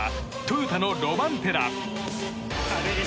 トヨタのロバンペラ。